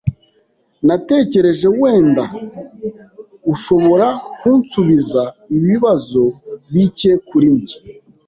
Natekereje wenda ushobora kunsubiza ibibazo bike kuri njye.